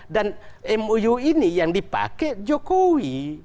dan mou ini yang dipakai jokowi